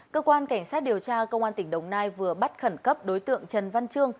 cơ quan cảnh sát điều tra công an tỉnh đồng nai vừa bắt khẩn cấp đối tượng trần văn trương